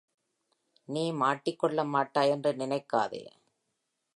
நீ மாட்டிக்கொள்ள மாட்டாய் என்று நினைக்காதே.